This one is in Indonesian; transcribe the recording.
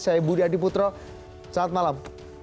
saya budi adiputro selamat malam